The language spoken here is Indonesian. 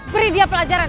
beri dia pelajaran